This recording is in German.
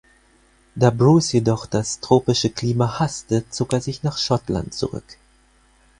Da Bruce jedoch das tropische Klima hasste, zog er sich nach Schottland zurück.